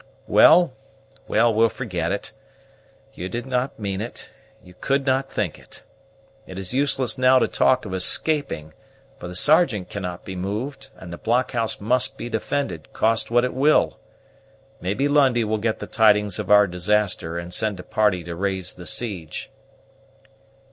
"Well, well, we'll forget it; you did not mean it, you could not think it. It is useless now to talk of escaping, for the Sergeant cannot be moved; and the blockhouse must be defended, cost what it will. Maybe Lundie will get the tidings of our disaster, and send a party to raise the siege."